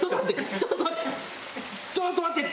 ちょっと待って！